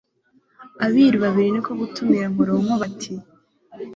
Abiru babiri ni ko gutumira Nkoronko bati :